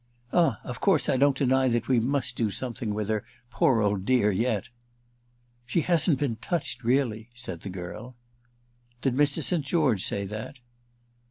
"Ah of course I don't deny that we must do something with her, poor old dear, yet." "She hasn't been touched, really," said the girl. "Did Mr. St. George say that?"